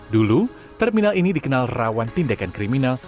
dulu terminal ini dikenal rawan tindakan kriminal